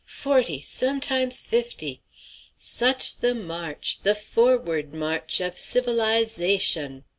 Forty, sometimes fifty! Such the march, the forward march of civilize ation!"